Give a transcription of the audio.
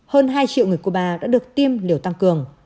hơn hai triệu người cuba đã được tiêm liều tăng cường